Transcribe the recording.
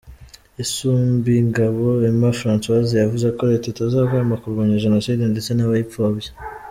Isumbingabo Emma Francoise yavuze ko Leta itazahwema kurwanya Jenoside ndetse n’abayipfobya.